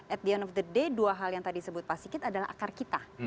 at the end of the day dua hal yang tadi sebut pak sikit adalah akar kita